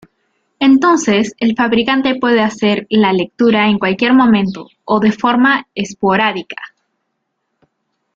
Entonces el fabricante puede hacer la lectura en cualquier momento o de forma esporádica.